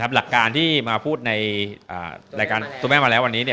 หลักการที่มาพูดในรายการตัวแม่มาแล้ววันนี้